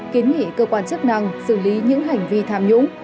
kiến nghị cơ quan chức năng xử lý những hành vi tham nhũng